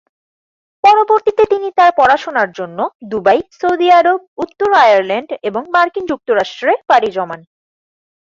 পরবর্তীতে তিনি তার পড়াশুনার জন্য দুবাই, সৌদি আরব, উত্তর আয়ারল্যান্ড এবং মার্কিন যুক্তরাষ্ট্রে পাড়ি জমান।